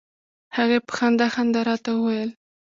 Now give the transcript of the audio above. هغې په خندا خندا راته وویل.